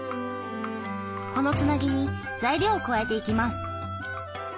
このつなぎに材料を加えていきます。